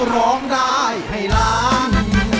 ร้องได้ให้ล้าน